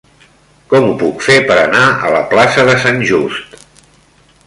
Com ho puc fer per anar a la plaça de Sant Just?